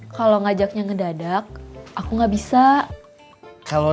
kalau ngajaknya ngedadak aku nggak bisa